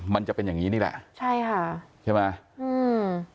มันจะเป็นอย่างนี้นี่แหละใช่ไหม